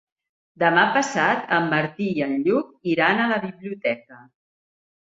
Demà passat en Martí i en Lluc iran a la biblioteca.